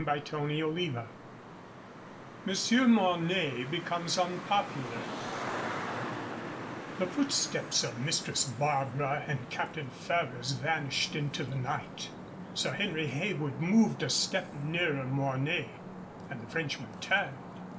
CHAPTER III MONSIEUR MORNAY BECOMES UNPOPULAR The footsteps of Mistress Barbara and Captain Ferrers vanished into the night. Sir Henry Heywood moved a step nearer Mornay, and the Frenchman turned.